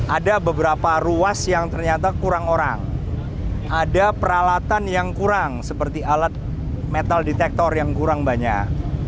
ada beberapa ruas yang ternyata kurang orang ada peralatan yang kurang seperti alat metal detektor yang kurang banyak